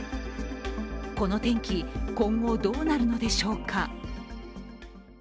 この天気、今後どうなるのでしょうか。